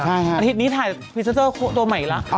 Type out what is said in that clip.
อาทิตย์นี้ถ่ายพรีเซนเตอร์ตัวใหม่อีกแล้ว